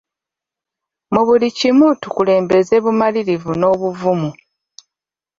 Mu buli kimu tukulembeza bumalirivu n'obuvumu.